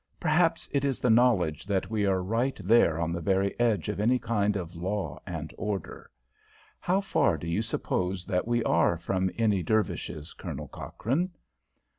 Perhaps it is the knowledge that we are right there on the very edge of any kind of law and order. How far do you suppose that we are from any Dervishes, Colonel Cochrane?"